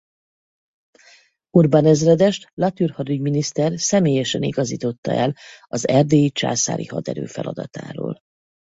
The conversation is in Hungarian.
Urban ezredest Latour hadügyminiszter személyesen igazította el az erdélyi császári haderő feladatáról.